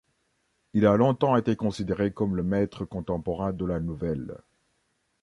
Il a longtemps été considéré comme le maître contemporain de la nouvelle.